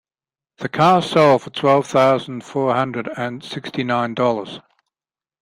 The car sold for twelve thousand four hundred and sixty nine dollars.